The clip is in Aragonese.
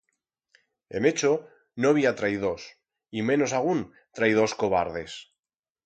En Echo no bi ha traidors, y menos agún traidors cobardes.